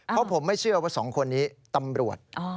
เพราะผมไม่เชื่อว่าสองคนนี้ตำรวจ